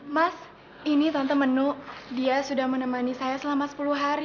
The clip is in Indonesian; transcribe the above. mas ini tante menu dia sudah menemani saya selama sepuluh hari